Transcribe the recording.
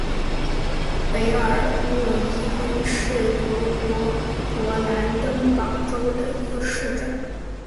韦尔诺伊亨是德国勃兰登堡州的一个市镇。